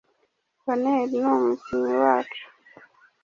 Bonheur ni umukinnyi wacu